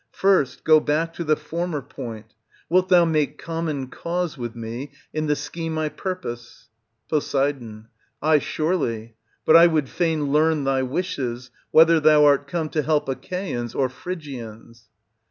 First go back to the former point ; wilt thou mak^ common cause with me in the scheme I purpose ? Pos. Ay surely; but I would fain learn thy wishes, whether thou art come to help Achaeans or Phrygians.